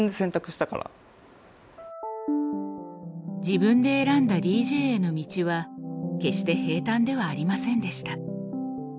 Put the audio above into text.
自分で選んだＤＪへの道は決して平たんではありませんでした。